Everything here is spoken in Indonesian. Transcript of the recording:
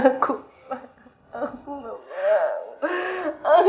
aku enggak mau